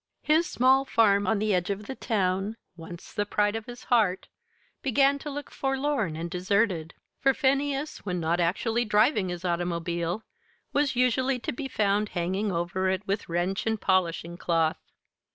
His small farm on the edge of the town once the pride of his heart began to look forlorn and deserted; for Phineas, when not actually driving his automobile, was usually to be found hanging over it with wrench and polishing cloth.